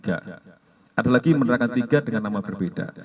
ada lagi menerangkan tiga dengan nama berbeda